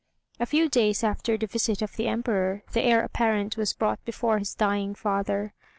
A few days after the visit of the Emperor the Heir apparent was brought before his dying father.